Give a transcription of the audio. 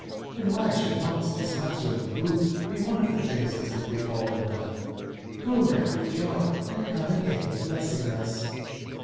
and wby sbould not tbis matter of tbe book be one of tbe tbings tbat batb befallen ber? Go now witb joy, and come again blessing us" ji?